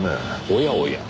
おやおや。